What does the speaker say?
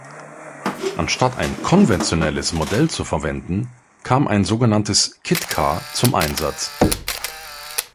Anstatt ein konventionelles Modell zu verwenden, kam ein sogenanntes Kit Car zum Einsatz.